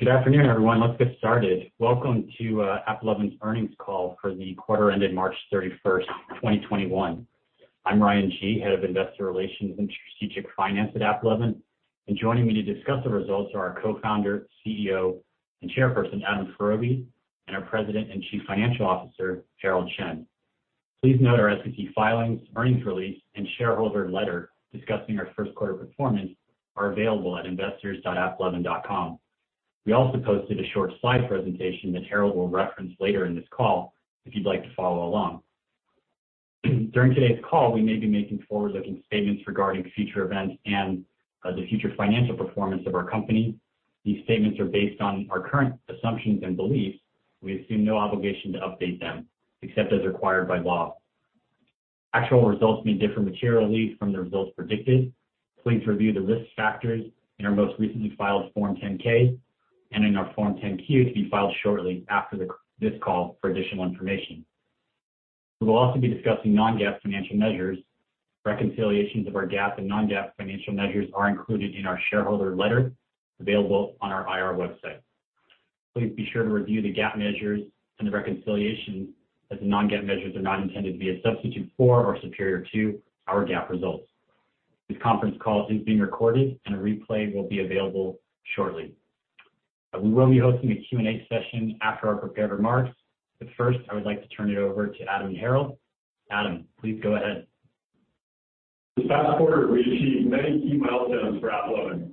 Hey, good afternoon, everyone. Let's get started. Welcome to AppLovin's earnings call for the quarter ended March 31, 2021. I'm Ryan Gee, Head of Investor Relations and Strategic Finance at AppLovin. Joining me to discuss the results are our Co-founder, CEO, and Chairperson, Adam Foroughi, and our President and Chief Financial Officer, Herald Chen. Please note our SEC filings, earnings release, and shareholder letter discussing our first quarter performance are available at investors.applovin.com. We also posted a short slide presentation that Herald will reference later in this call if you'd like to follow along. During today's call, we may be making forward-looking statements regarding future events and the future financial performance of our company. These statements are based on our current assumptions and beliefs. We assume no obligation to update them except as required by law. Actual results may differ materially from the results predicted. Please review the risk factors in our most recently filed Form 10-K and in our Form 10-Q to be filed shortly after this call for additional information. We will also be discussing non-GAAP financial measures. Reconciliations of our GAAP and non-GAAP financial measures are included in our shareholder letter available on our IR website. Please be sure to review the GAAP measures and the reconciliation as the non-GAAP measures are not intended to be a substitute for or superior to our GAAP results. This conference call is being recorded and a replay will be available shortly. We will be hosting a Q&A session after our prepared remarks, but first, I would like to turn it over to Adam and Herald. Adam, please go ahead. This past quarter, we achieved many key milestones for AppLovin.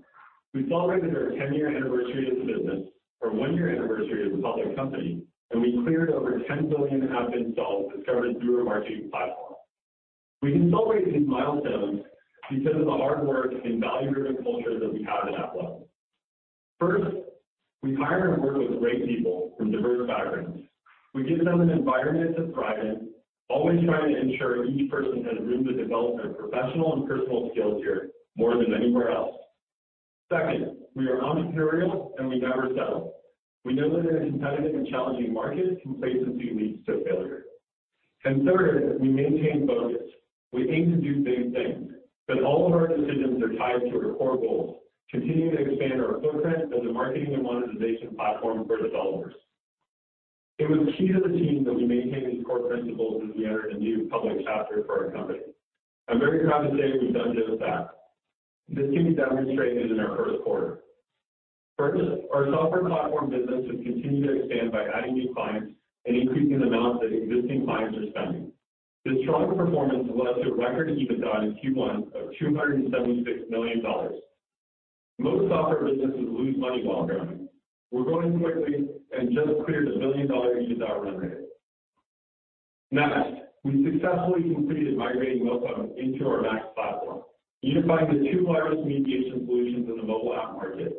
We celebrated our 10-year anniversary as a business, our one-year anniversary as a public company, and we cleared over 10 billion app installs discovered through our marketing platform. We can celebrate these milestones because of the hard work and value-driven culture that we have at AppLovin. First, we hire and work with great people from diverse backgrounds. We give them an environment to thrive in, always trying to ensure each person has room to develop their professional and personal skills here more than anywhere else. Second, we are entrepreneurial, and we never settle. We know that in a competitive and challenging market, complacency leads to failure. Third, we maintain focus. We aim to do big things, but all of our decisions are tied to our core goals, continuing to expand our footprint as a marketing and monetization platform for developers. It was key to the team that we maintain these core principles as we entered a new public chapter for our company. I'm very proud to say we've done just that. This can be demonstrated in our first quarter. First, our software platform business has continued to expand by adding new clients and increasing the amount that existing clients are spending. This strong performance led to a record EBITDA in Q1 of $276 million. Most software businesses lose money while growing. We're growing quickly and just cleared a billion-dollar EBITDA run rate. Next, we successfully completed migrating MoPub into our MAX platform, unifying the two largest mediation solutions in the mobile app market.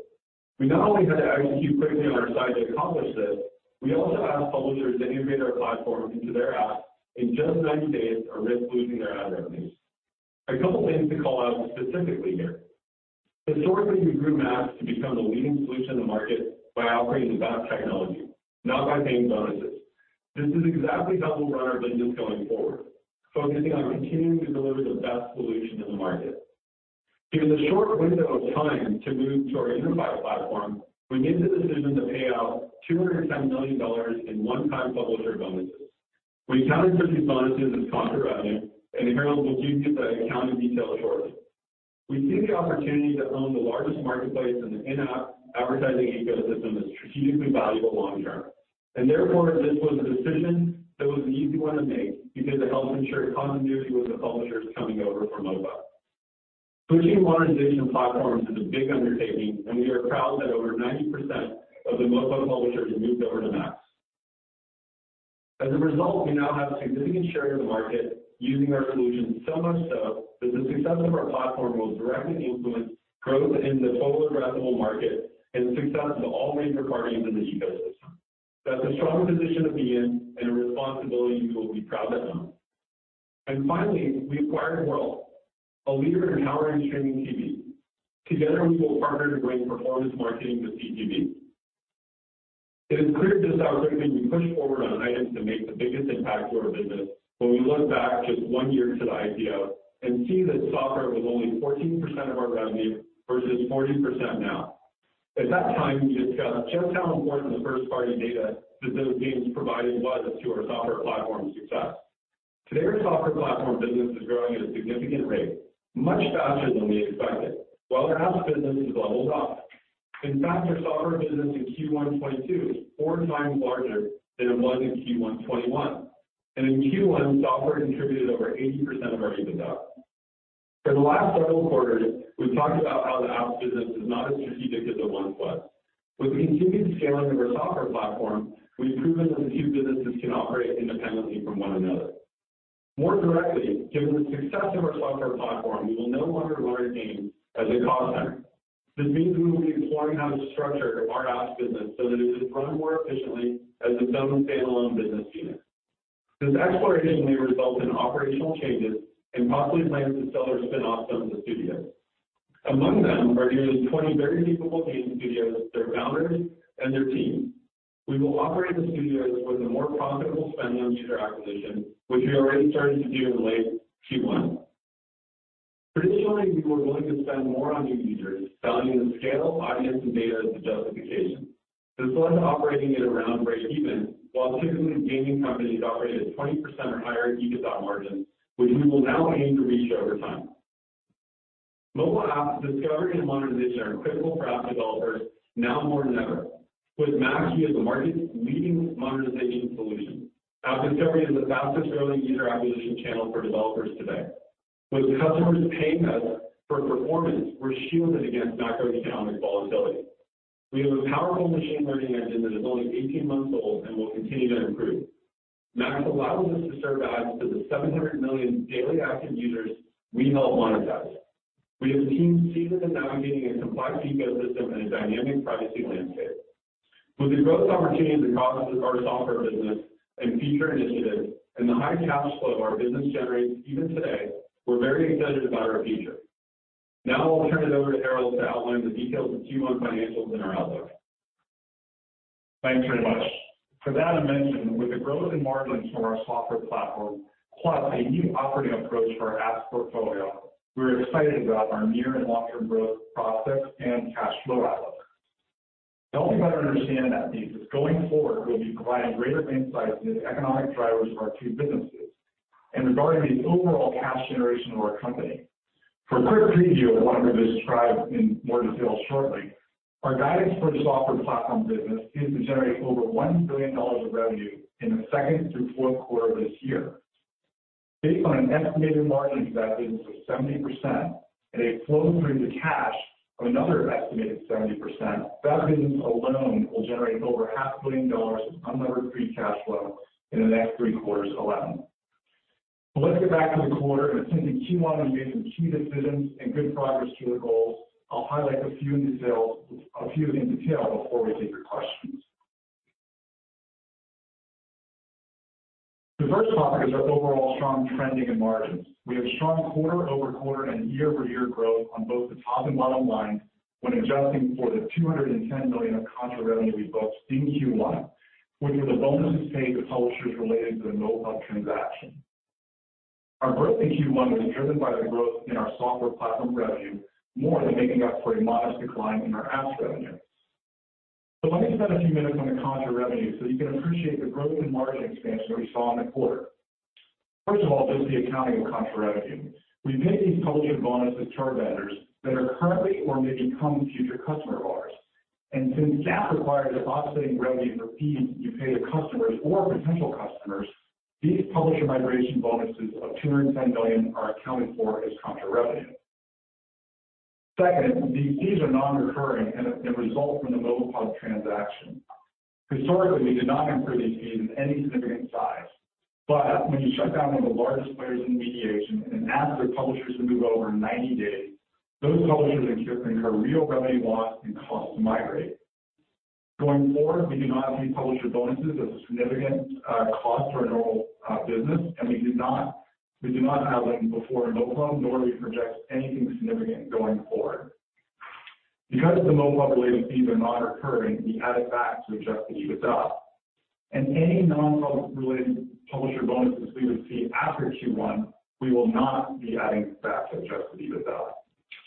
We not only had to execute quickly on our side to accomplish this, we also asked publishers to integrate our platform into their app in just 90 days or risk losing their ad revenues. A couple things to call out specifically here. Historically, we grew MAX to become the leading solution in the market by offering the best technology, not by paying bonuses. This is exactly how we'll run our business going forward, focusing on continuing to deliver the best solution in the market. Given the short window of time to move to our unified platform, we made the decision to pay out $210 million in one-time publisher bonuses. We counted these bonuses as contra revenue, and Herald will give you the accounting detail shortly. We see the opportunity to own the largest marketplace in the in-app advertising ecosystem as strategically valuable long-term. Therefore, this was a decision that was an easy one to make because it helped ensure continuity with the publishers coming over from MoPub. Switching monetization platforms is a big undertaking, and we are proud that over 90% of the MoPub publishers have moved over to MAX. As a result, we now have a significant share of the market using our solution, so much so that the success of our platform will directly influence growth in the total addressable market and success of all major parties in the ecosystem. That's a strong position to be in and a responsibility we will be proud to own. Finally, we acquired Wurl, a leader in powering streaming TV. Together, we will partner to bring performance marketing to CTV. It is clear just how quickly we pushed forward on items that make the biggest impact to our business when we look back just one year to the IPO and see that software was only 14% of our revenue versus 40% now. At that time, we discussed just how important the first-party data that those games provided was to our software platform success. Today, our software platform business is growing at a significant rate, much faster than we expected, while our apps business has leveled off. In fact, our software business in Q1 2022 is 4x larger than it was in Q1 2021. In Q1, software contributed over 80% of our EBITDA. For the last several quarters, we've talked about how the apps business is not as strategic as it once was. With the continued scaling of our software platform, we've proven that the two businesses can operate independently from one another. More directly, given the success of our software platform, we will no longer look at games as a cost center. This means we will be exploring how to structure our apps business so that it can run more efficiently as its own standalone business unit. This exploration may result in operational changes and possibly plans to sell or spin off some of the studios. Among them are nearly 20 very capable game studios, their founders, and their teams. We will operate the studios with a more profitable spend on user acquisition, which we already started to do in late Q1. Traditionally, we were willing to spend more on new users, valuing the scale, audience, and data as the justification. This led to operating at around breakeven, while typically gaming companies operate at 20% or higher EBITDA margins, which we will now aim to reach over time. Mobile app discovery and monetization are critical for app developers now more than ever, with MAX as the market's leading monetization solution. App discovery is the fastest-growing user acquisition channel for developers today. With customers paying us for performance, we're shielded against macroeconomic volatility. We have a powerful machine learning engine that is only 18 months old and will continue to improve. MAX allows us to serve ads to the 700 million daily active users we help monetize. We have a team seasoned in navigating a complex ecosystem and a dynamic privacy landscape. With the growth opportunities across our software business and feature initiatives and the high cash flow our business generates even today, we're very excited about our future. Now I'll turn it over to Herald to outline the details of Q1 financials and our outlook. Thanks very much. As Adam mentioned, with the growth in margins from our software platform, plus a new operating approach for our apps portfolio, we're excited about our near and long-term growth prospects and cash flow outlook. To help you better understand that thesis, going forward, we'll be providing greater insights into the economic drivers of our two businesses and regarding the overall cash generation of our company. For a quick preview of what I'm going to describe in more detail shortly, our guidance for the software platform business is to generate over $1 billion of revenue in the second through fourth quarter of this year. Based on an estimated margin expansion to 70% and a flow through to cash of another estimated 70%, that business alone will generate over $500 million of unlevered free cash flow in the next three quarters alone. Let's get back to the quarter and I think in Q1, we made some key decisions and good progress to our goals. I'll highlight a few in detail before we take your questions. The first topic is our overall strong trending in margins. We have strong quarter-over-quarter and year-over-year growth on both the top and bottom line when adjusting for the $210 million of contra revenue we booked in Q1, which was a bonus paid to publishers related to the MoPub transaction. Our growth in Q1 was driven by the growth in our software platform revenue more than making up for a modest decline in our apps revenue. Let me spend a few minutes on the contra revenue so you can appreciate the growth in margin expansion that we saw in the quarter. First of all, just the accounting of contra revenue. We pay these publisher bonuses to our vendors that are currently or may become a future customer of ours. Since GAAP requires offsetting revenue for fees you pay to customers or potential customers, these publisher migration bonuses of $210 million are accounted for as contra revenue. Second, these fees are non-recurring and result from the MoPub transaction. Historically, we did not incur these fees of any significant size. When you shut down one of the largest players in mediation and ask their publishers to move over in 90 days, those publishers, in turn, incur real revenue loss and cost to migrate. Going forward, we do not see publisher bonuses as a significant cost for our normal business, and we do not have them before MoPub, nor do we project anything significant going forward. Because the MoPub-related fees are non-recurring, we add it back to adjust the EBITDA. Any non-MoPub related publisher bonuses we would see after Q1, we will not be adding back to adjust the EBITDA.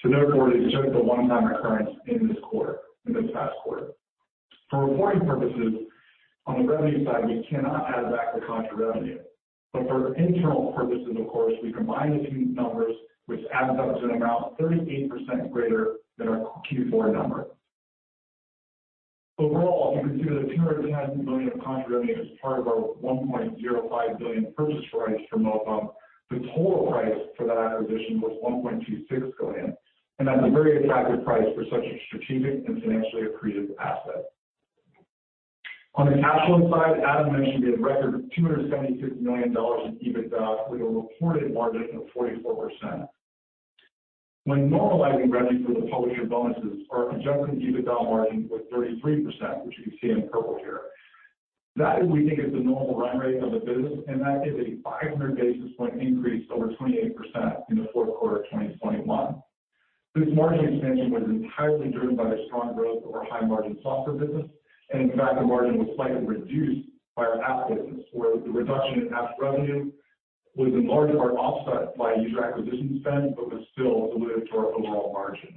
Therefore, it is just a one-time occurrence in this quarter, in this past quarter. For reporting purposes, on the revenue side, we cannot add back the contra revenue. For internal purposes, of course, we combine the two numbers, which adds up to an amount 38% greater than our Q4 number. Overall, if you consider the $210 million of contra revenue as part of our $1.05 billion purchase price for MoPub, the total price for that acquisition was $1.26 billion. That's a very attractive price for such a strategic and financially accretive asset. On the cash flow side, Adam mentioned we had a record $276 million in EBITDA with a reported margin of 44%. When normalizing revenue for the publisher bonuses or adjusting EBITDA margin with 33%, which you can see in purple here. That is we think is the normal run rate of the business, and that is a 500 basis point increase over 28% in the fourth quarter of 2021. This margin expansion was entirely driven by the strong growth of our high-margin software business. In fact, the margin was slightly reduced by our apps business, where the reduction in apps revenue was in large part offset by user acquisition spend, but was still dilutive to our overall margin.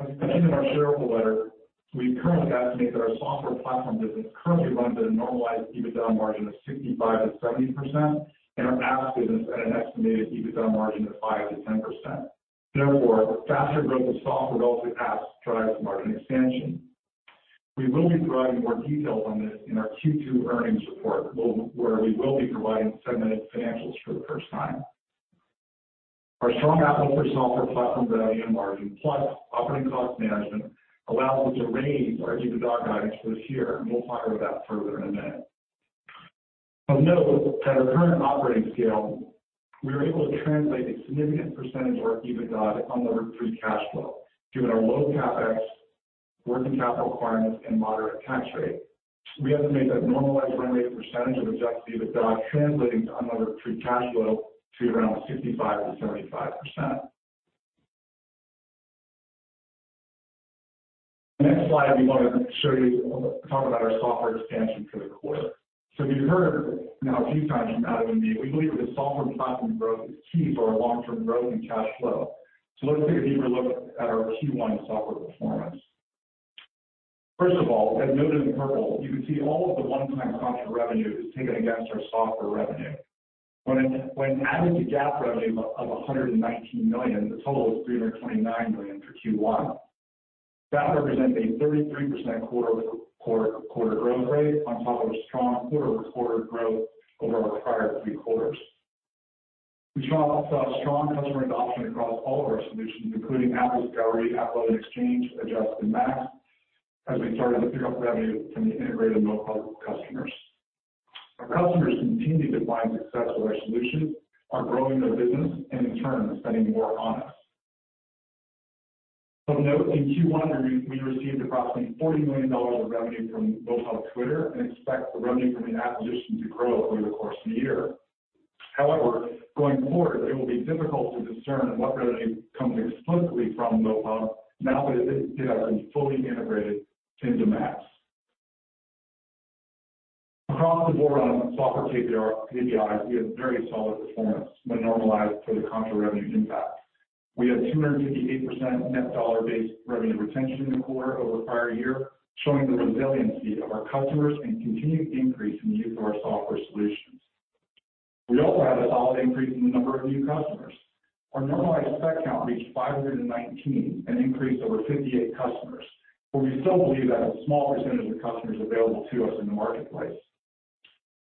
As mentioned in our shareholder letter, we currently estimate that our software platform business currently runs at a normalized EBITDA margin of 65%-70% and our apps business at an estimated EBITDA margin of 5%-10%. Therefore, faster growth of software relative to apps drives margin expansion. We will be providing more details on this in our Q2 earnings report, where we will be providing segmented financials for the first time. Our strong outlook for software platform revenue and margin, plus operating cost management, allows us to raise our EBITDA guidance for this year, and we'll talk about that further in a minute. Of note, at our current operating scale, we are able to translate a significant percentage of our EBITDA to unlevered free cash flow given our low CapEx, working capital requirements, and moderate tax rate. We estimate that normalized run rate percentage of adjusted EBITDA translating to unlevered free cash flow to around 65%-75%. Next slide, we want to talk about our software expansion for the quarter. You've heard now a few times from Adam and me, we believe that software platform growth is key to our long-term growth and cash flow. Let's take a deeper look at our Q1 software performance. First of all, as noted in purple, you can see all of the one-time contra revenue is taken against our software revenue. When adding to GAAP revenue of $119 million, the total is $329 million for Q1. That represents a 33% quarter-over-quarter growth rate on top of strong quarter-over-quarter growth over our prior three quarters. We saw strong customer adoption across all of our solutions, including AppDiscovery, AppLovin Exchange, Adjust, and MAX, as we started to pick up revenue from the integrated MoPub customers. Our customers continue to find success with our solutions, are growing their business, and in turn, are spending more on us. Of note, in Q1, we received approximately $40 million of revenue from MoPub Twitter and expect the revenue from the acquisition to grow over the course of the year. However, going forward, it will be difficult to discern what revenue comes explicitly from MoPub now that it has been fully integrated into MAX. Across the board on our software KPI, we had very solid performance when normalized for the contra revenue impact. We had 258% net dollar-based revenue retention in the quarter over prior year, showing the resiliency of our customers and continued increase in the use of our software solutions. We also had a solid increase in the number of new customers. Our normalized SPEC count reached 519, an increase of 58 customers, but we still believe that a small percentage of customers available to us in the marketplace.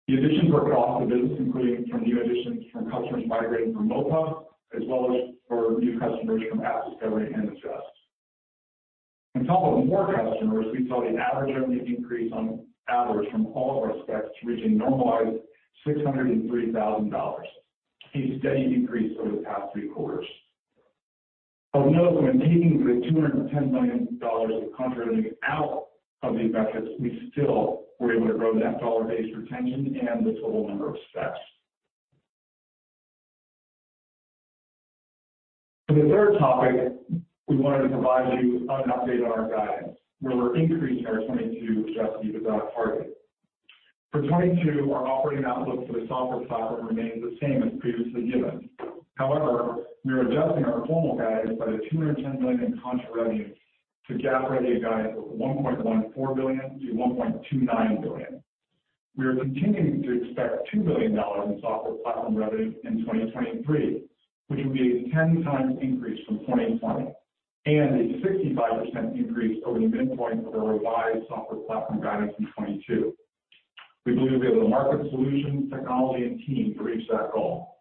The additions were across the business, including from new additions from customers migrating from MoPub, as well as for new customers from AppDiscovery and Adjust. On top of more customers, we saw the average revenue increase on average from all of our SPECs reaching normalized $603 thousand. A steady increase over the past three quarters. Of note that when taking the $210 million of contra revenue out of the equation, we still were able to grow net dollar-based retention and the total number of SPECs. For the third topic, we wanted to provide you an update on our guidance, where we're increasing our 2022 adjusted EBITDA target. For 2022, our operating outlook for the software platform remains the same as previously given. However, we are adjusting our formal guidance by the $210 million contra revenue to GAAP revenue guidance of $1.14-1.29 billion. We are continuing to expect $2 billion in software platform revenue in 2023, which will be a 10x increase from 2020 and a 65% increase over the midpoint of the revised software platform guidance in 2022. We believe we have the market solution, technology, and team to reach that goal.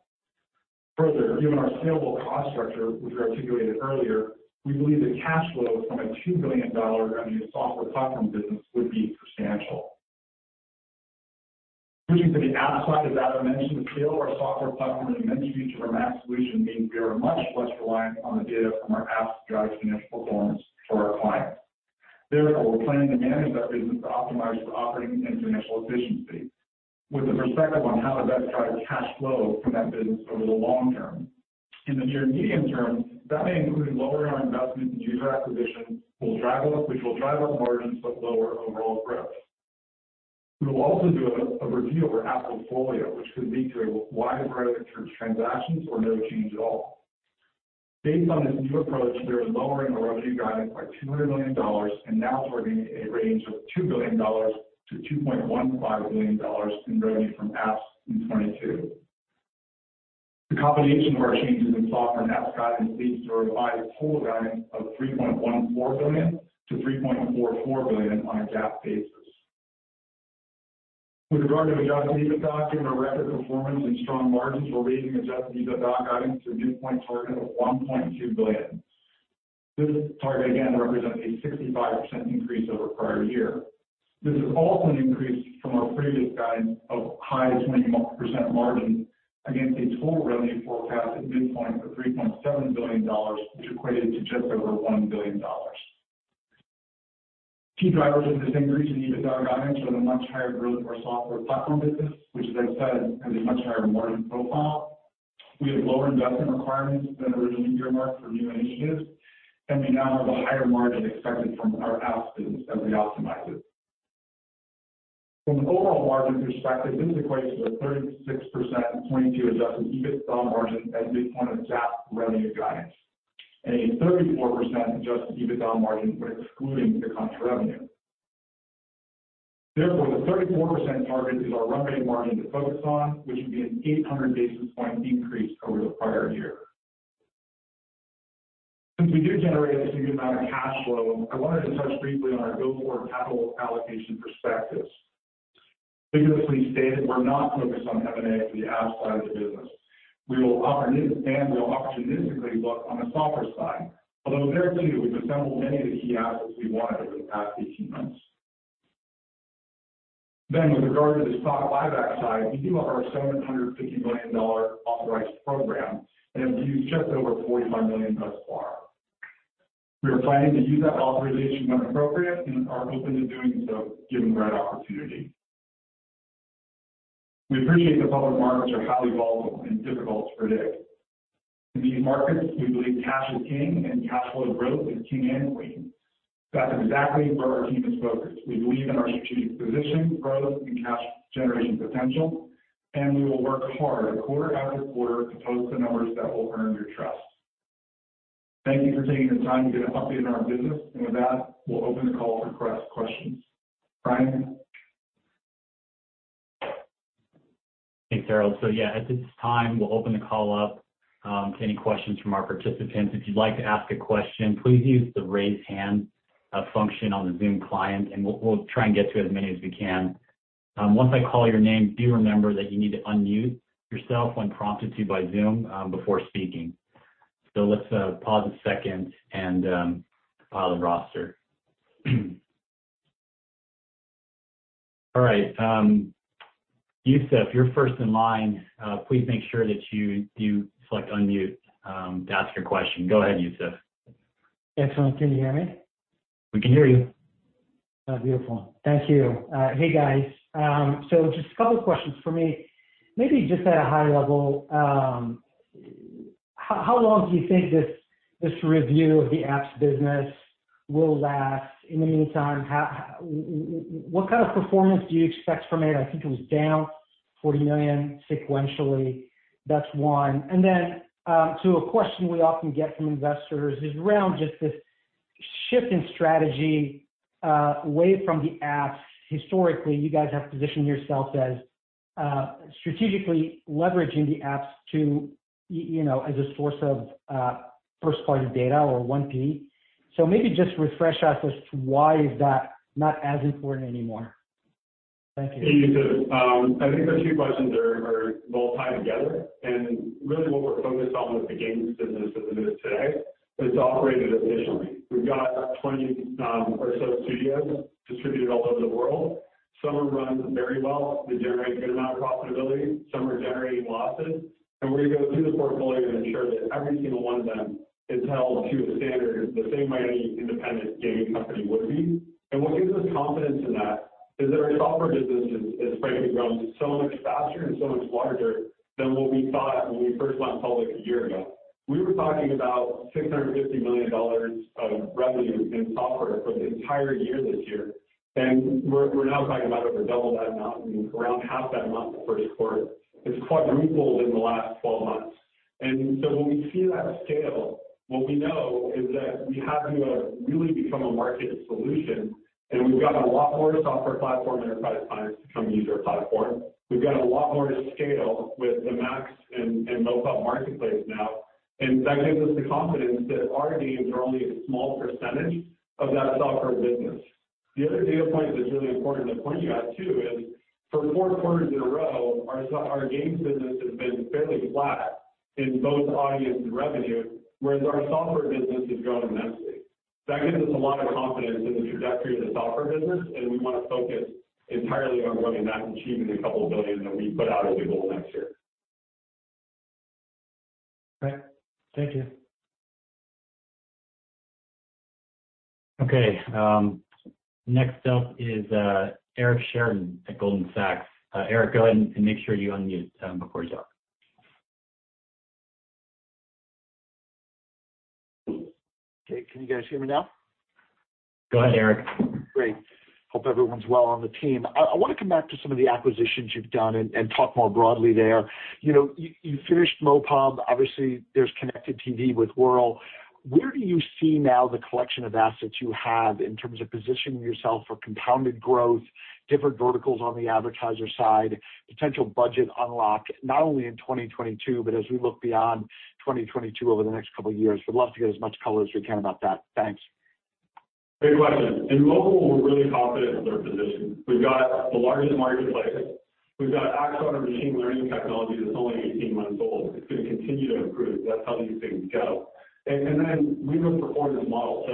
Further, given our scalable cost structure, which we articulated earlier, we believe the cash flow from a $2 billion revenue software platform business would be substantial. Switching to the app side, as Adam mentioned, the scale of our software platform and the many features of our MAX solution means we are much less reliant on the data from our apps to drive financial performance for our clients. Therefore, we're planning to manage that business to optimize for operating and financial efficiency with a perspective on how to best drive cash flow from that business over the long term. In the near-medium term, that may include lowering our investment in user acquisition, which will drive up margins but lower overall growth. We will also do a review of our app portfolio, which could lead to a wide variety of transactions or no change at all. Based on this new approach, we are lowering the revenue guidance by $200 million and now targeting a range of $2-2.15 billion in revenue from apps in 2022. The combination of our changes in software and apps guidance leads to a revised total guidance of $3.14-3.44 billion on a GAAP basis. With regard to adjusted EBITDA, given our record performance and strong margins, we're raising adjusted EBITDA guidance to a midpoint target of $1.2 billion. This target again represents a 65% increase over prior year. This is also an increase from our previous guidance of high 20% margin against a total revenue forecast at midpoint of $3.7 billion, which equated to just over $1 billion. Key drivers of this increase in EBITDA guidance are the much higher growth of our software platform business, which as I said, has a much higher margin profile. We have lower investment requirements than originally earmarked for new initiatives, and we now have a higher margin expected from our app business as we optimize it. From an overall margin perspective, this equates to a 36% 2022 adjusted EBITDA margin at midpoint of GAAP revenue guidance and a 34% adjusted EBITDA margin when excluding the contra revenue. Therefore, the 34% target is our runway margin to focus on, which would be an 800 basis point increase over the prior year. Since we do generate a significant amount of cash flow, I wanted to touch briefly on our go-forward capital allocation perspectives. Figuratively stated, we're not focused on M&A for the app side of the business. We will opportunistically look on the software side, although there too, we've assembled many of the key assets we wanted over the past 18 months. With regard to the stock buyback side, we do have our $750 million authorized program and have used just over $45 million thus far. We are planning to use that authorization when appropriate and are open to doing so given the right opportunity. We appreciate the public markets are highly volatile and difficult to predict. In these markets, we believe cash is king, and cash flow growth is king and queen. That's exactly where our team is focused. We believe in our strategic position, growth, and cash generation potential, and we will work hard quarter-after-quarter to post the numbers that will earn your trust. Thank you for taking the time to get an update on our business. With that, we'll open the call for cross-questions. Ryan Gee? Thanks, Ryan. Yeah, at this time, we'll open the call up to any questions from our participants. If you'd like to ask a question, please use the Raise Hand function on the Zoom client, and we'll try and get to as many as we can. Once I call your name, do remember that you need to unmute yourself when prompted to by Zoom before speaking. Let's pause a second and compile the roster. All right. Youssef, you're first in line. Please make sure that you do select unmute to ask your question. Go ahead, Youssef. Excellent. Can you hear me? We can hear you. Beautiful. Thank you. Hey, guys. So just a couple questions for me, maybe just at a high level. How long do you think this review of the apps business will last? In the meantime, what kind of performance do you expect from it? I think it was down $40 million sequentially. That's one. To a question we often get from investors is around just this shift in strategy away from the apps. Historically, you guys have positioned yourselves as strategically leveraging the apps to, you know, as a source of first-party data or one P. Maybe just refresh us as to why is that not as important anymore. Thank you. Hey, Youssef. I think the two questions are both tied together. Really what we're focused on with the games business as it is today is operate it efficiently. We've got 20 or so studios distributed all over the world. Some are run very well. They generate a good amount of profitability. Some are generating losses. We're gonna go through the portfolio and ensure that every single one of them is held to a standard the same way any independent gaming company would be. What gives us confidence in that is that our software business is frankly growing so much faster and so much larger than what we thought when we first went public a year ago. We were talking about $650 million of revenue in software for the entire year this year, and we're now talking about over double that amount and around half that amount the first quarter. It's quadrupled in the last twelve months. When we see that scale, what we know is that we have to really become a market solution. We've got a lot more software platform enterprise clients to come use our platform. We've got a lot more to scale with the MAX and MoPub marketplace now. That gives us the confidence that our games are only a small percentage of that software business. The other data point that's really important to point out to you too is, for four quarters in a row, our games business has been fairly flat in both audience and revenue, whereas our software business has grown immensely. That gives us a lot of confidence in the trajectory of the software business, and we wanna focus entirely on growing that and achieving the $2 billion that we put out as a goal next year. Great. Thank you. Okay, next up is Eric Sheridan at Goldman Sachs. Eric, go ahead and make sure you unmute before you talk. Okay. Can you guys hear me now? Go ahead, Eric. Great. Hope everyone's well on the team. I wanna come back to some of the acquisitions you've done and talk more broadly there. You know, you finished MoPub. Obviously, there's connected TV with Wurl. Where do you see now the collection of assets you have in terms of positioning yourself for compounded growth, different verticals on the advertiser side, potential budget unlock, not only in 2022, but as we look beyond 2022 over the next couple of years? We'd love to get as much color as we can about that. Thanks. Great question. In mobile, we're really confident in our position. We've got the largest marketplace. We've got AXON, our machine learning technology that's only 18 months old. It's gonna continue to improve. That's how these things go. Then we have a performance model.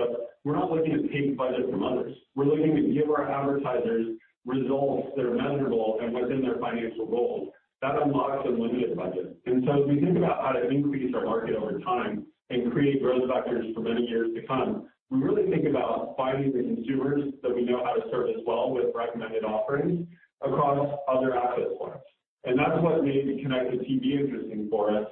We're not looking to take budget from others. We're looking to give our advertisers results that are measurable and within their financial goals. That unlocks unlimited budget. As we think about how to increase our market over time and create growth vectors for many years to come, we really think about finding the consumers that we know how to serve as well with recommended offerings across other app platforms. That's what made the connected TV interesting for us.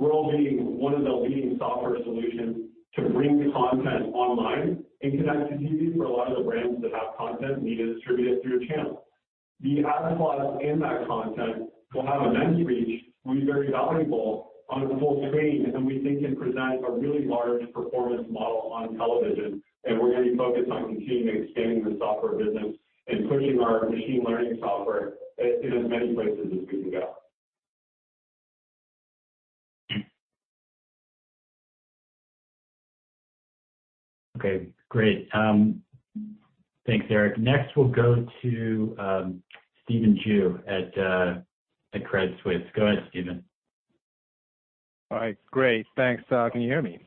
Wurl being one of the leading software solutions to bring content online and connected TV for a lot of the brands that have content need to distribute it through a channel. The ad slots in that content will have immense reach, will be very valuable on the full screen, and we think can present a really large performance model on television. We're gonna be focused on continuing expanding the software business and pushing our machine learning software in as many places as we can go. Okay, great. Thanks, Eric. Next, we'll go to Stephen Ju at Credit Suisse. Go ahead, Stephen. All right, great. Thanks. Can you hear me?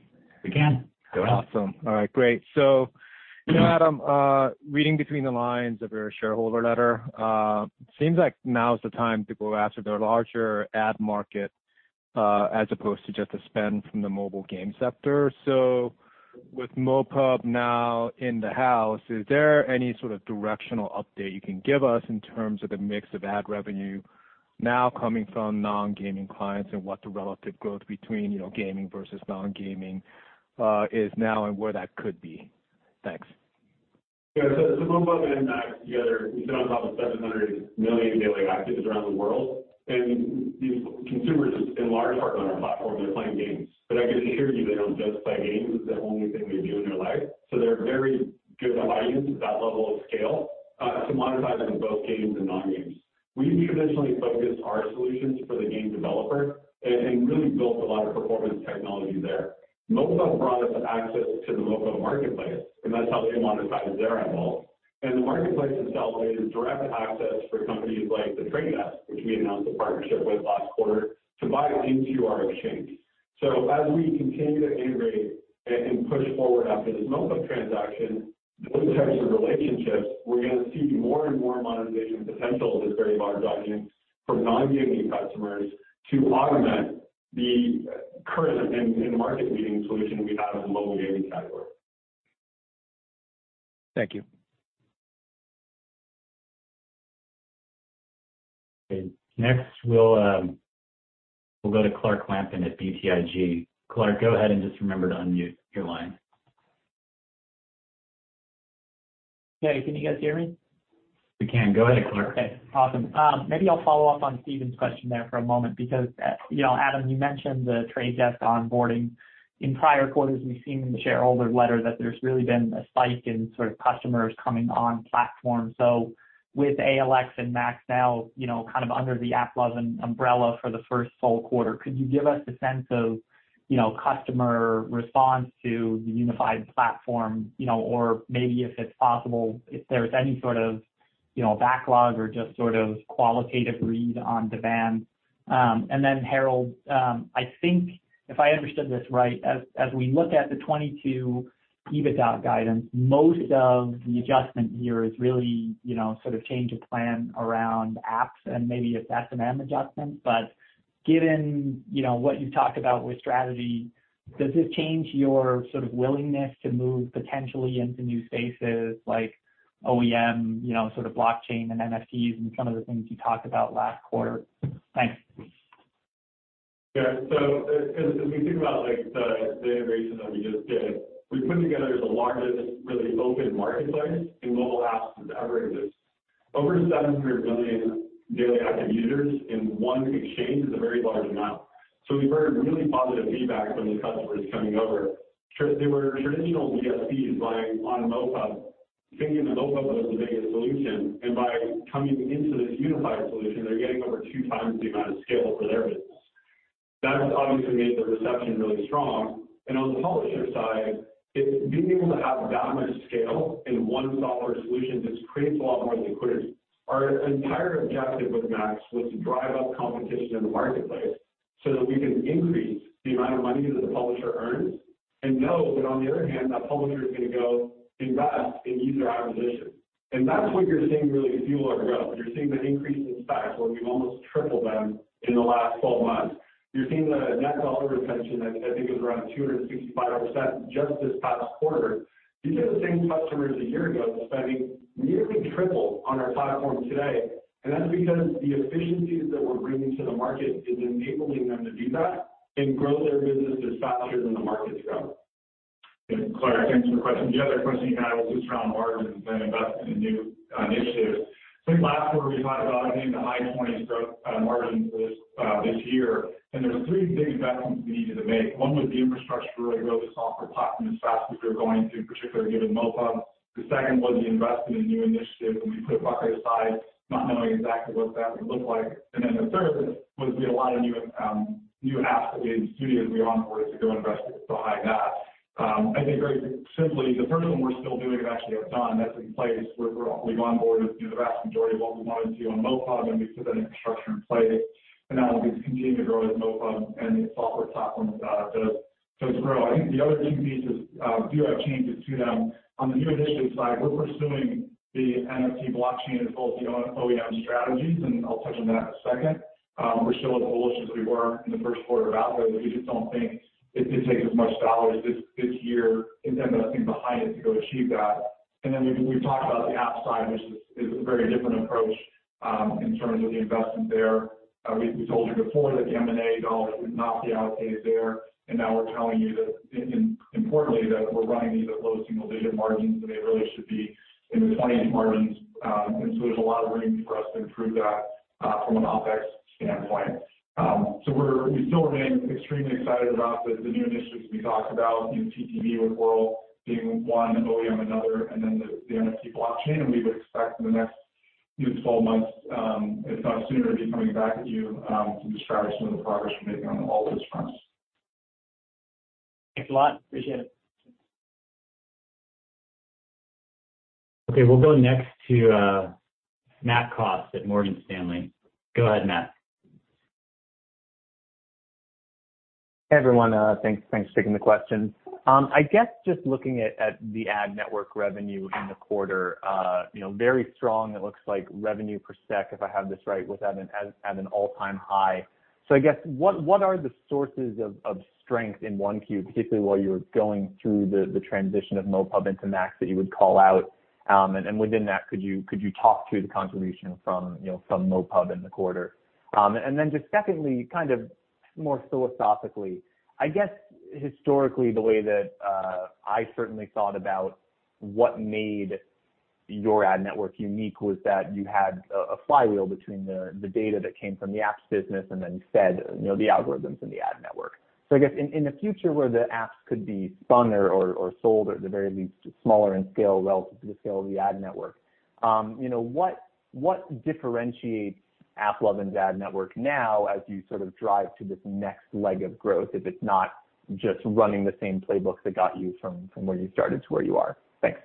We can. Go ahead. Awesome. All right, great. You know, Adam, reading between the lines of your shareholder letter, seems like now is the time to go after the larger ad market. As opposed to just the spend from the mobile game sector. With MoPub now in the house, is there any sort of directional update you can give us in terms of the mix of ad revenue now coming from non-gaming clients and what the relative growth between, you know, gaming versus non-gaming, is now and where that could be? Thanks. MoPub and MAX together, we sit on top of 700 million daily actives around the world, and these consumers in large part on our platform, they're playing games. I can assure you they don't just play games, it's not the only thing they do in their life. They're very good audience at that level of scale to monetize into both games and non-games. We traditionally focused our solutions for the game developer and really built a lot of performance technology there. MoPub brought us access to the global marketplace, and that's how they monetize their inventory. The marketplace has enabled direct access for companies like The Trade Desk, which we announced a partnership with last quarter to buy into our exchange. As we continue to integrate and push forward after this MoPub transaction, those types of relationships, we're gonna see more and more monetization potential that's very large audience from non-gaming customers to augment the current in market leading solution we have in the mobile gaming category. Thank you. Okay. Next, we'll go to Clark Lampen at BTIG. Clark, go ahead and just remember to unmute your line. Yeah. Can you guys hear me? We can. Go ahead, Clark. Okay, awesome. Maybe I'll follow up on Stephen's question there for a moment because, you know, Adam, you mentioned The Trade Desk onboarding. In prior quarters, we've seen in the shareholder letter that there's really been a spike in sort of customers coming on platform. With ALX and MAX now, you know, kind of under the AppLovin umbrella for the first full-quarter, could you give us a sense of, you know, customer response to the unified platform, you know, or maybe if it's possible, if there's any sort of, you know, backlog or just sort of qualitative read on demand? Herald, I think if I understood this right, as we look at the 2022 EBITDA guidance, most of the adjustment here is really, you know, sort of change of plan around apps and maybe a FMM adjustment. Given, you know, what you've talked about with strategy, does this change your sort of willingness to move potentially into new spaces like OEM, you know, sort of blockchain and NFTs and some of the things you talked about last quarter? Thanks. Yeah, as we think about like the integration that we just did, we put together the largest really open marketplace in mobile apps that's ever existed. Over 700 million daily active users in one exchange is a very large amount. We've heard really positive feedback from the customers coming over. They were traditional DSPs buying on MoPub, thinking that MoPub was the biggest solution, and by coming into this unified solution, they're getting over 2 times the amount of scale for their business. That's obviously made the reception really strong. On the publisher side, being able to have that much scale in one software solution just creates a lot more liquidity. Our entire objective with MAX was to drive up competition in the marketplace so that we can increase the amount of money that a publisher earns and know that on the other hand, that publisher is gonna go invest in user acquisition. That's what you're seeing really fuel our growth. You're seeing the increase in SPECs where we've almost tripled them in the last 12 months. You're seeing the net dollar retention, I think it was around 265% just this past quarter. These are the same customers a year ago spending nearly triple on our platform today. That's because the efficiencies that we're bringing to the market is enabling them to do that and grow their businesses faster than the market's growth. Yeah. Clark, thanks for the question. The other question you had was just around margins and investing in new initiatives. I think last quarter we talked about hitting the high 20s growth margins this year. There were three big investments we needed to make. One was the infrastructure to really grow the software platform as fast as we were going to, particularly given MoPub. The second was the investment in new initiatives, and we put bucket aside not knowing exactly what that would look like. The third was we had a lot of new apps and game studios we onboarded to go invest behind that. I think very simply the first one we're still doing and actually are done, that's in place. We've onboarded, you know, the vast majority of what we wanted to on MoPub, and we put that infrastructure in place. Now we'll be continuing to grow with MoPub and the software platform to grow. I think the other two pieces do have changes to them. On the new initiative side, we're pursuing the NFT blockchain as well as the OEM strategies, and I'll touch on that in a second. We're still as bullish as we were in the first quarter about those. We just don't think it takes as much dollars this year in terms of investing behind it to go achieve that. We've talked about the app side, which is a very different approach in terms of the investment there. We told you before that the M&A dollars would not be allocated there. Now we're telling you that importantly, that we're running these at low single-digit% margins when they really should be in the 20s% margins. There's a lot of room for us to improve that from an OpEx standpoint. We're still remain extremely excited about the new initiatives we talked about, you know, CTV with Wurl being one, OEM another, and then the NFT blockchain. We would expect in the next, you know, 12 months, if not sooner, to be coming back at you to describe some of the progress we're making on all those fronts. Thanks a lot. Appreciate it. Okay. We'll go next to Matthew Cost at Morgan Stanley. Go ahead, Matt. Everyone, thanks for taking the questions. I guess just looking at the ad network revenue in the quarter, you know, very strong. It looks like revenue per SPEC, if I have this right, was at an all-time high. I guess what are the sources of strength in 1Q, particularly while you were going through the transition of MoPub into MAX, that you would call out? Within that, could you talk to the contribution from, you know, from MoPub in the quarter? Then just secondly, kind of more philosophically, I guess historically, the way that I certainly thought about what made your ad network unique was that you had a flywheel between the data that came from the apps business and then fed, you know, the algorithms in the ad network. I guess in a future where the apps could be spun or sold, or at the very least smaller in scale relative to the scale of the ad network, you know, what differentiates AppLovin's ad network now as you sort of drive to this next leg of growth, if it's not just running the same playbook that got you from where you started to where you are? Thanks.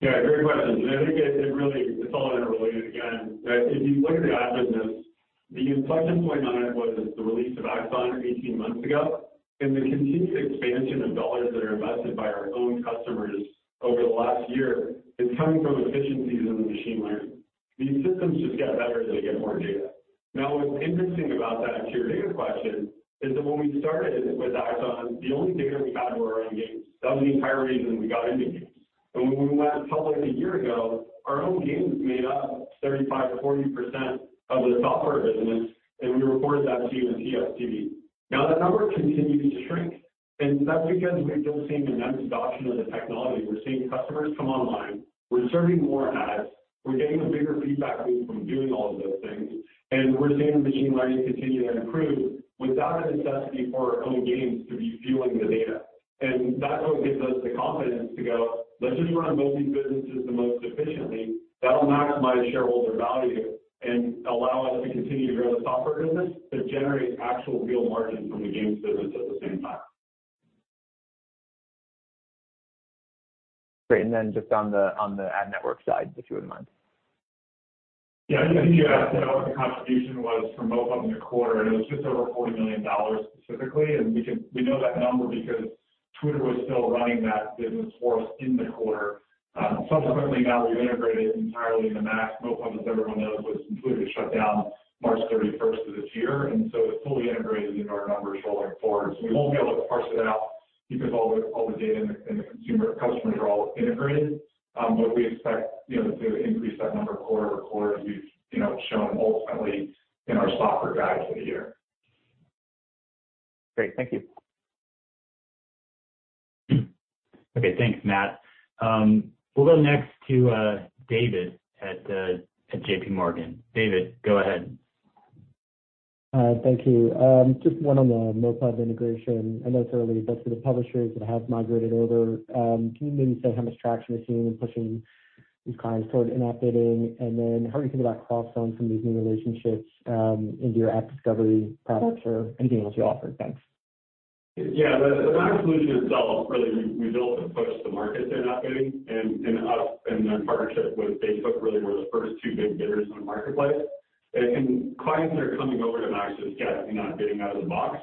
Yeah, great question. I think it really is all interrelated again. If you look at the ad business, the inflection point on it was the release of AXON 18 months ago and the continued expansion of dollars that are invested by our own customers over the last year. It's coming from efficiencies in the machine learning. These systems just get better as they get more data. Now, what's interesting about that, to your data question, is that when we started with AXON, the only data we had were our own games. That was the entire reason we got into games. When we went public a year ago, our own games made up 35%-40% of the software business, and we reported that to you in TSTV. Now that number continues to shrink, and that's because we're still seeing an adoption of the technology. We're seeing customers come online. We're serving more ads. We're getting a bigger feedback loop from doing all of those things, and we're seeing the machine learning continue to improve without a necessity for our own games to be fueling the data. That's what gives us the confidence to go, "Let's just run both these businesses the most efficiently." That'll maximize shareholder value and allow us to continue to grow the software business, but generate actual real margin from the game business at the same time. Great. Just on the ad network side, if you wouldn't mind. Yeah. I think you asked what the contribution was for MoPub in the quarter, and it was just over $40 million specifically. We know that number because Twitter was still running that business for us in the quarter. Subsequently now we integrated entirely into MAX. MoPub, as everyone knows, was completely shut down March 31 of this year, and it's fully integrated into our numbers rolling forward. We won't be able to parse it out because all the data in the consumer customers are all integrated. We expect, you know, to increase that number quarter-over-quarter as we've, you know, shown ultimately in our software guide for the year. Great. Thank you. Okay. Thanks, Matt. We'll go next to David at J.P. Morgan. David, go ahead. Thank you. Just one on the MoPub integration. I know it's early, but for the publishers that have migrated over, can you maybe say how much traction you're seeing in pushing these clients toward in-app bidding? How are you thinking about cross-selling some of these new relationships into your AppDiscovery products or anything else you offer? Thanks. Yeah. The MAX solution itself, really, we built and pushed the market to in-app bidding and us and our partnership with Facebook really were the first two big bidders on the marketplace. Clients that are coming over to MAX just get in-app bidding out of the box.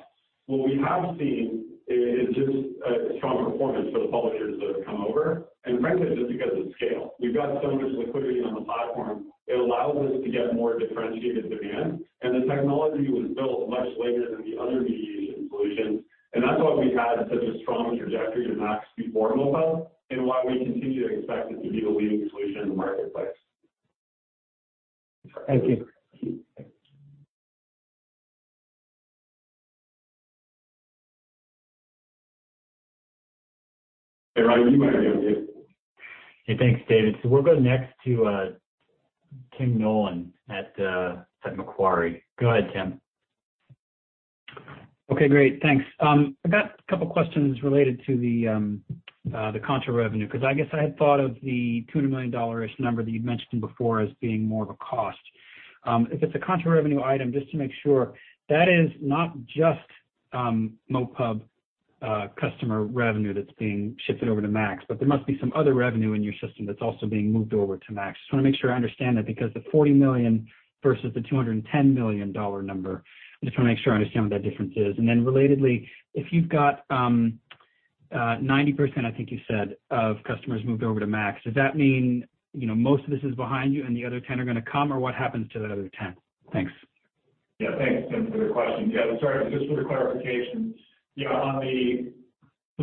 What we have seen is just a strong performance for the publishers that have come over, and frankly, just because of scale. We've got so much liquidity on the platform, it allows us to get more differentiated demand, and the technology was built much later than the other mediation solutions. That's why we had such a strong trajectory to MAX before Mobile, and why we continue to expect it to be the leading solution in the marketplace. Thank you. Yeah. Ryan, you want to go next? Yeah. Thanks, David. We'll go next to Tim Nollen at Macquarie. Go ahead, Tim. Okay, great. Thanks. I've got a couple questions related to the contra revenue, because I guess I had thought of the $200 million-ish number that you'd mentioned before as being more of a cost. If it's a contra revenue item, just to make sure, that is not just, MoPub, customer revenue that's being shifted over to MAX, but there must be some other revenue in your system that's also being moved over to MAX. Just wanna make sure I understand that because the $40 million versus the $210 million number. I just wanna make sure I understand what that difference is. Relatedly, if you've got 90%, I think you said, of customers moved over to MAX, does that mean, you know, most of this is behind you and the other 10 are gonna come, or what happens to that other 10? Thanks. Yeah, thanks, Tim, for the question. Yeah, sorry, just for the clarification. Yeah, on the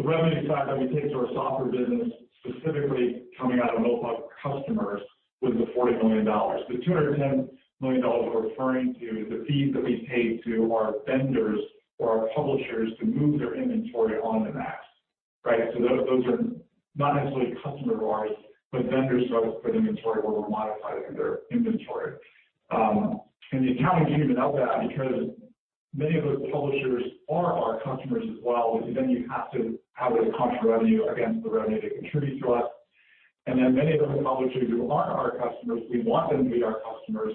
revenue side that we take to our software business, specifically coming out of MoPub customers, was the $40 million. The $210 million we're referring to is the fees that we paid to our vendors or our publishers to move their inventory onto MAX, right? Those are not necessarily customer-wise, but vendor stocks for the inventory where we're modifying their inventory. The accounting treatment of that, because many of those publishers are our customers as well, which then you have to have as a contra revenue against the revenue they contribute to us. Many of those publishers who aren't our customers, we want them to be our customers,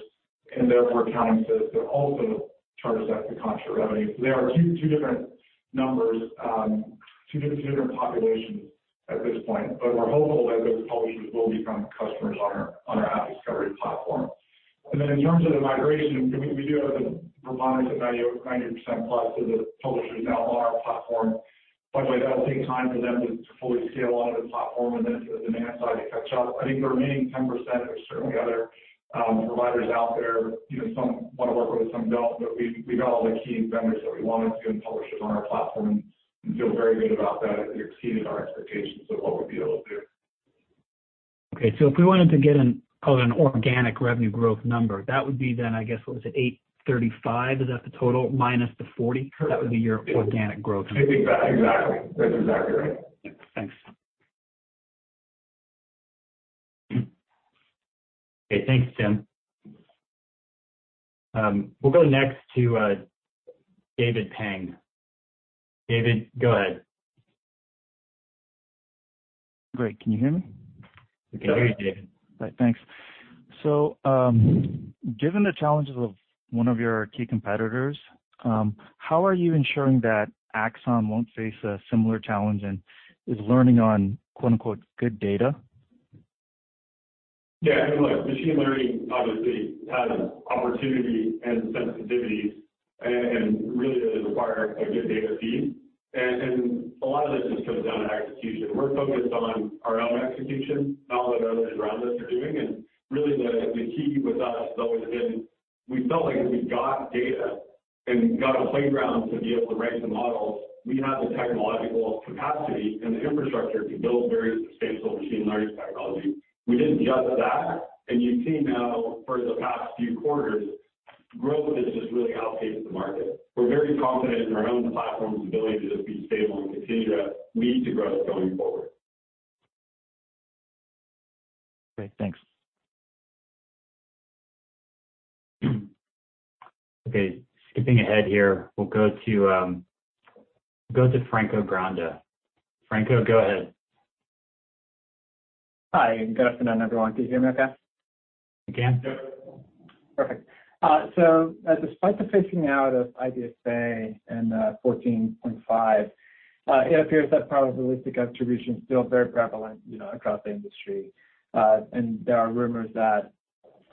and therefore accounting says to also charge that to contra revenue. They are two different numbers, two different populations at this point. We're hopeful that those publishers will become customers on our AppDiscovery platform. Then in terms of the migration, we do have a predominance of 90% plus of the publishers now on our platform. By the way, that will take time for them to fully scale onto the platform and then for the demand side to catch up. I think the remaining 10% are certainly other providers out there. You know, some wanna work with us, some don't, but we got all the key vendors that we wanted to and publishers on our platform and feel very good about that. It exceeded our expectations of what we'd be able to do. Okay. If we wanted to get an, call it an organic revenue growth number, that would be then, I guess, what was it, $835. Is that the total? Minus the $40? That would be your organic growth number. I think that. Exactly. That's exactly right. Thanks. Okay. Thanks, Tim. We'll go next to David Pang. David, go ahead. Great. Can you hear me? We can hear you, David. All right, thanks. Given the challenges of one of your key competitors, how are you ensuring that AXON won't face a similar challenge and is learning on quote unquote, "good data"? Yeah. I mean, look, machine learning obviously has opportunity and sensitivities and really does require a good data feed. A lot of this just comes down to execution. We're focused on our own execution, not what others around us are doing. Really the key with us has always been we felt like if we got data and got a playground to be able to write the models, we had the technological capacity and the infrastructure to build very sustainable machine learning technology. We did just that, and you've seen now for the past few quarters, growth has just really outpaced the market. We're very confident in our own platform's ability to just be stable and continue to lead the growth going forward. Okay, thanks. Okay, skipping ahead here. We'll go to Franco Granda. Franco, go ahead. Hi, good afternoon, everyone. Can you hear me okay? We can. Yep. Perfect. Despite the phasing out of IDFA in 14.5, it appears that probabilistic attribution is still very prevalent, you know, across the industry. There are rumors that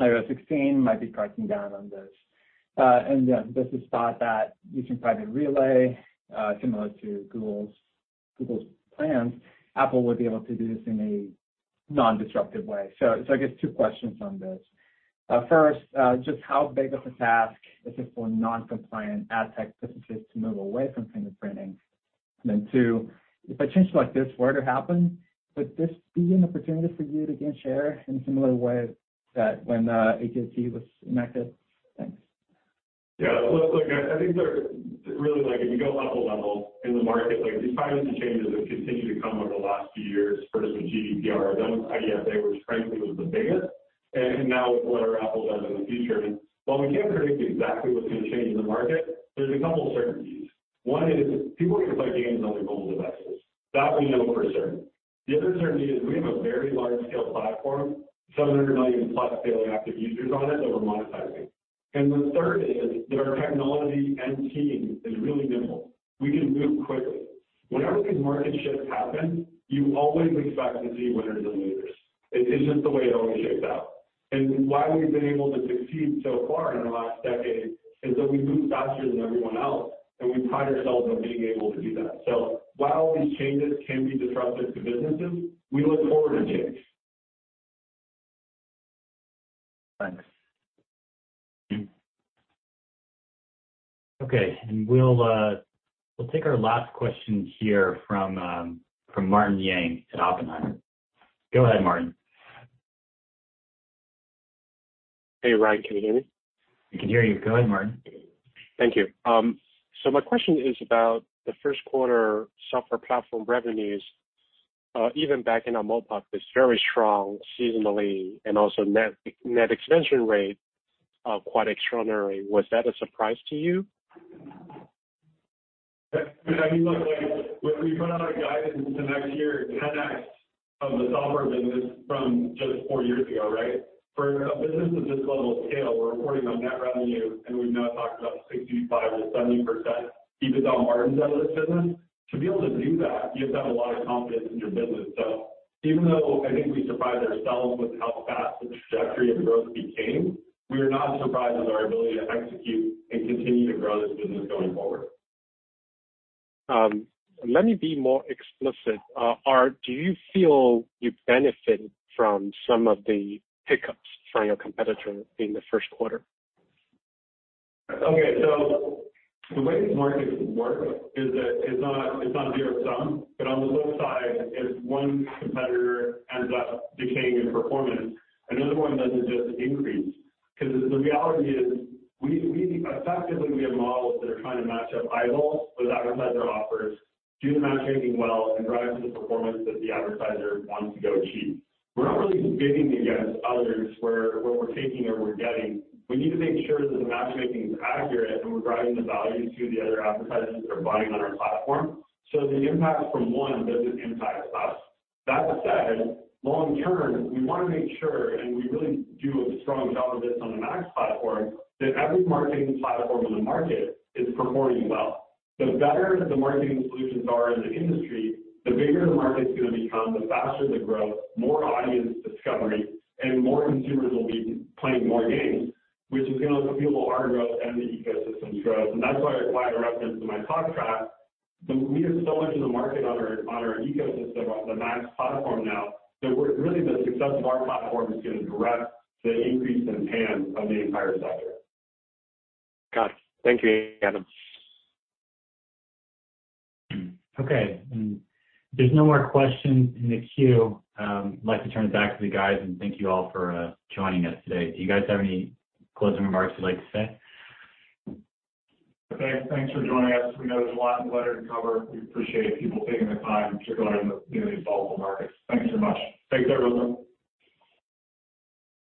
iOS 16 might be cracking down on this. There's this thought that using Private Relay, similar to Google's plans, Apple would be able to do this in a non-disruptive way. I guess two questions on this. First, just how big of a task is it for non-compliant ad tech businesses to move away from fingerprinting? Two, if a change like this were to happen, would this be an opportunity for you to gain share in a similar way that when ATT was connected? Thanks. Yeah. Look, I think really, like, if you go up a level in the market, like, these privacy changes have continued to come over the last few years. First with GDPR, then with IDFA, which frankly was the biggest, and now whatever Apple does in the future. While we can't predict exactly what's gonna change in the market, there's a couple certainties. One is people are gonna play games on their mobile devices. That we know for certain. The other certainty is we have a very large-scale platform, 700 million plus daily active users on it that we're monetizing. The third is that our technology and team is really nimble. We can move quickly. Whenever these market shifts happen, you always expect to see winners and losers. It's just the way it always shakes out. Why we've been able to succeed so far in the last decade is that we move faster than everyone else, and we pride ourselves on being able to do that. While these changes can be disruptive to businesses, we look forward to change. Thanks. Okay. We'll take our last question here from Martin Yang at Oppenheimer. Go ahead, Martin. Hey, Ryan, can you hear me? We can hear you. Go ahead, Martin. Thank you. My question is about the first quarter software platform revenues. Even backing out MoPub, it's very strong seasonally and also net expansion rate, quite extraordinary. Was that a surprise to you? I mean, look, like, when we put out our guidance into next year, 10x of the software business from just four years ago, right? For a business of this level of scale, we're reporting on net revenue, and we've now talked about 65% or 70% EBITDA margin out of this business. To be able to do that, you have to have a lot of confidence in your business. Even though I think we surprised ourselves with how fast the trajectory of the growth became, we are not surprised with our ability to execute and continue to grow this business going forward. Let me be more explicit. Do you feel you've benefited from some of the hiccups from your competitor in the first quarter? Okay. The way these markets work is that it's not zero-sum, but on the flip side, if one competitor ends up decaying in performance, another one doesn't just increase. 'Cause the reality is we effectively have models that are trying to match up ad slots with advertiser offers, do the matchmaking well, and drive to the performance that the advertiser wants to go achieve. We're not really competing against others where what we're taking or we're getting, we need to make sure that the matchmaking is accurate and we're driving the value to the other advertisers that are buying on our platform. The impact from one doesn't impact us. That said, long term, we wanna make sure, and we really do a strong job of this on the MAX platform, that every marketing platform in the market is performing well. The better the marketing solutions are in the industry, the bigger the market's gonna become, the faster the growth, more audience discovery, and more consumers will be playing more games, which is gonna fuel our growth and the ecosystem's growth. That's why I referenced in my talk track that we have so much of the market on our ecosystem on the MAX platform now that we're really the success of our platform is gonna drive the increase in TAM of the entire sector. Got it. Thank you, Adam. Okay. There's no more questions in the queue. I'd like to turn it back to the guys, and thank you all for joining us today. Do you guys have any closing remarks you'd like to say? Okay. Thanks for joining us. We know there's a lot of ground to cover. We appreciate people taking the time, particularly in the, you know, these volatile markets. Thank you so much. Take care, everyone.